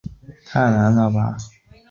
影像制作公司